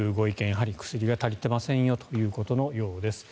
やはり薬が足りてませんよということのようです。